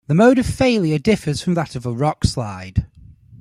The mode of failure differs from that of a rockslide.